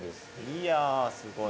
いやすごい。